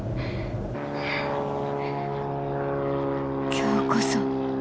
今日こそ。